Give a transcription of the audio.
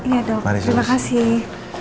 iya dok terima kasih